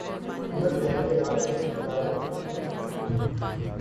کیوں نہ تیغ یار کو مشاطۂ الفت کہوں